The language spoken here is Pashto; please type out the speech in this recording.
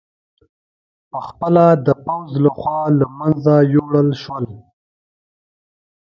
په خپله د پوځ له خوا له منځه یووړل شول